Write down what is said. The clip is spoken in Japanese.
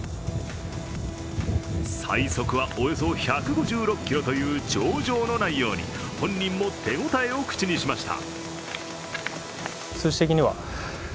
最速はおよそ１５６キロという上々の内容に本人も手応えを口にしました。